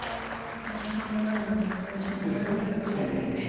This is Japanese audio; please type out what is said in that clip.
さあ第３ラウンド開始となるのかですね。